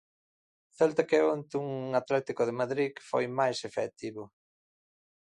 O Celta caeu ante un Atlético de Madrid que foi máis efectivo.